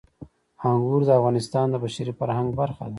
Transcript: انګور د افغانستان د بشري فرهنګ برخه ده.